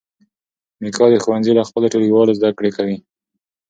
میکا د ښوونځي له خپلو ټولګیوالو زده کړې کوي.